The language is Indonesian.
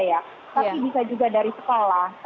tapi bisa juga dari sekolah